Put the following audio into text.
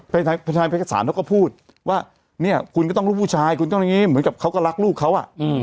ใช้เอกสารเขาก็พูดว่าเนี่ยคุณก็ต้องลูกผู้ชายคุณต้องอย่างนี้เหมือนกับเขาก็รักลูกเขาอ่ะ